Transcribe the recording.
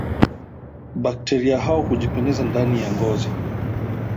Bakteria hao hujipenyeza ndani ya ngozi